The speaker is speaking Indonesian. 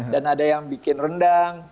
dan ada yang bikin rendang